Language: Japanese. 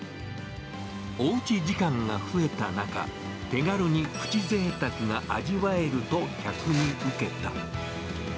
おうち時間が増えた中、手軽にプチぜいたくが味わえると客に受けた。